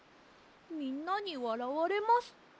みんなにわらわれます。